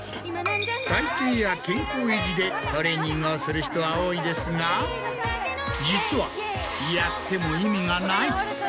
体形や健康維持でトレーニングをする人は多いですが実はやっても。